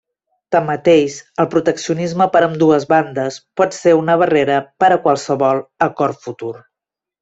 Tanmateix, el proteccionisme per ambdues bandes pot ser una barrera per a qualsevol acord futur.